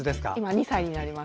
２歳になります。